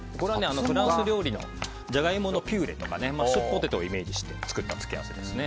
フランス料理のジャガイモのピューレとかマッシュポテトをイメージして作った付け合わせです。